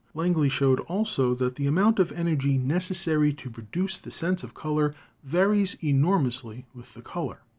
Langley showed also that the amount of energy neces sary to produce the sense of color varies enormously with the color.